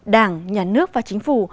đảng nhà nước và chính phủ